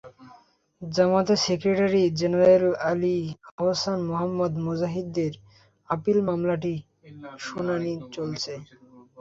জামায়াতের secretary general Ali Ahsan Mohammad মুজাহিদের appeal মামলাটির শুনানি চলছে।